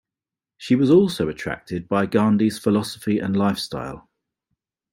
She was also attracted by Gandhi's philosophy and lifestyle.